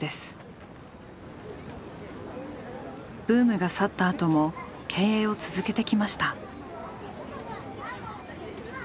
ブームが去った後も経営を続けてきました。